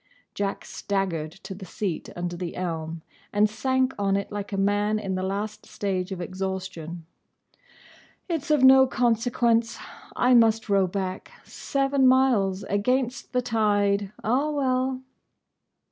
Jack staggered to the seat under the elm, and sank on it like a man in the last stage of exhaustion. "It's of no consequence. I must row back. Seven miles. Against the tide. Ah, well!"